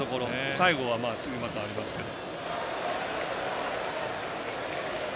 最後は次、まだありますけど。